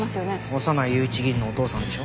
小山内雄一議員のお父さんでしょ？